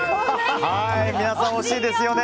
皆さん、欲しいですよね。